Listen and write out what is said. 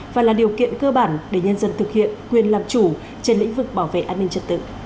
và là điều kiện cơ bản để nhân dân thực hiện quyền làm chủ trên lĩnh vực bảo vệ an ninh trật tự